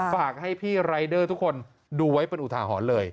ฝากให้พี่รายเดอร์ทุกคนดูไว้เป็นอุทาหรณ์เลย